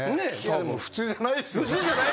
でも普通じゃないですよね。